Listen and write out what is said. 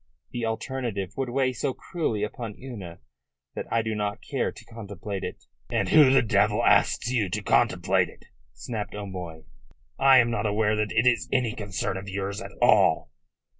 The alternative would weigh so cruelly upon Una that I do not care to contemplate it." "And who the devil asks you to contemplate it?" snapped O'Moy. "I am not aware that it is any concern of yours at all."